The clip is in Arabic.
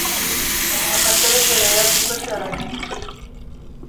لقد تبدّل لون بشرتي.